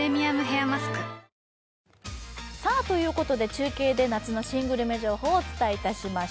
中継で夏の新グルメ情報をお届けします。